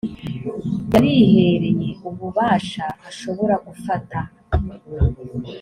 yabihereye ububasha ashobora gufata